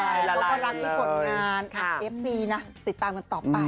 เพราะกำลังมีผลงานอักษรภีร์นะติดตามกันต่อไป